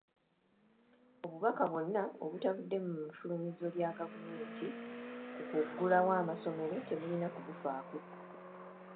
Obubaka bwonna obutavudde mu ffulumizo lya gavumenti ku kuggulawo amasomero temulina kubufaako.